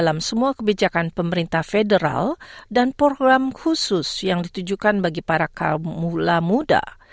dalam semua kebijakan pemerintah federal dan program khusus yang ditujukan bagi para kaum muda